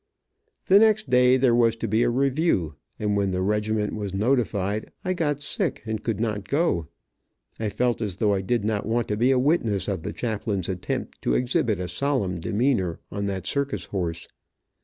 The next day there was to be a review, and when the regiment was notified, I got sick and could not go. I felt as though I did not want to be a witness of the chaplain's attempt to exhibit a solemn demeanor, on that circus horse.